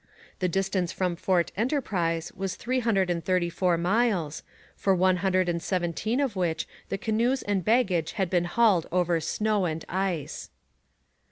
The distance from Fort Enterprise was three hundred and thirty four miles, for one hundred and seventeen of which the canoes and baggage had been hauled over snow and ice.